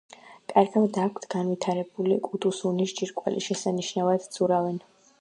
კარგად აქვთ განვითარებული კუდუსუნის ჯირკვალი, შესანიშნავად ცურავენ.